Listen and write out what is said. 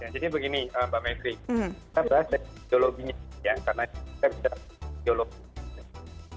jadi begini mbak menteri kita bahas biologinya karena kita bisa menggunakan biologi